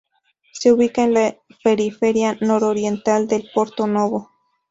Se ubica en la periferia nororiental de Porto Novo.